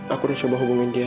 aku harus coba hubungin dia